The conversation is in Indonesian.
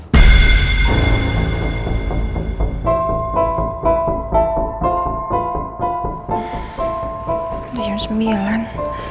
itu jam sembilan